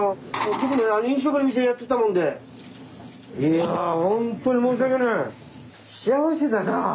いやほんとに申し訳ない！